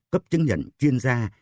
cấp chứng nhận chuyên gia